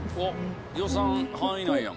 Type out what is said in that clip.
予算範囲内やん。